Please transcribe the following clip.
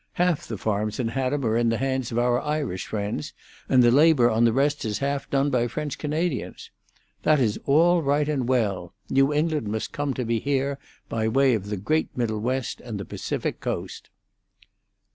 Half the farms in Haddam are in the hands of our Irish friends, and the labour on the rest is half done by French Canadians. That is all right and well. New England must come to me here, by way of the great middle West and the Pacific coast."